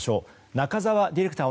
中沢ディレクター